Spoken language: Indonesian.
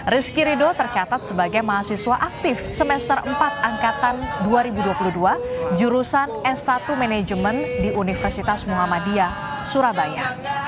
rizky ridho tercatat sebagai mahasiswa aktif semester empat angkatan dua ribu dua puluh dua jurusan s satu manajemen di universitas muhammadiyah surabaya